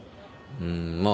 うんまあ